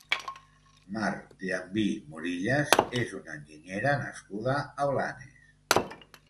Mar Llambí Morillas és una enginyera nascuda a Blanes.